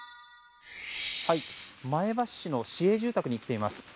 前橋市の市営住宅に来ています。